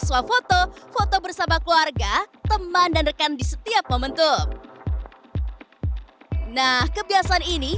swafoto foto bersama keluarga teman dan rekan di setiap momentum nah kebiasaan ini